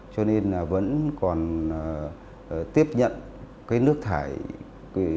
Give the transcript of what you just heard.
cho nên vẫn còn tiếp nhận nước thải của thành phố